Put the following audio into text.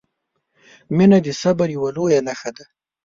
• مینه د صبر یوه لویه نښه ده.